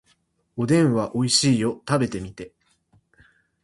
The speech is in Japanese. おでんはおいしいよ。食べてみて。